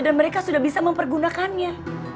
dan mereka sudah bisa mempergunakannya